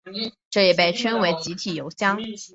这也被称为整体油箱。